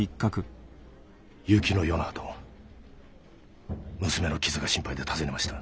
雪の夜のあと娘の傷が心配で訪ねました。